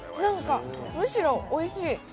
むしろおいしい！